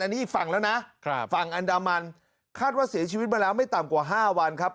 นี่อีกฝั่งแล้วนะฝั่งอันดามันคาดว่าเสียชีวิตมาแล้วไม่ต่ำกว่า๕วันครับ